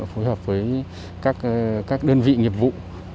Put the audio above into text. phối hợp với các đơn vị nghiệp vụ